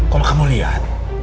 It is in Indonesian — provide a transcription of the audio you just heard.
kalau kamu lihat